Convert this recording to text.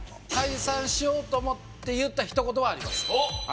解散しようと思って言った一言はあります